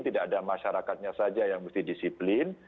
tidak ada masyarakatnya saja yang mesti disiplin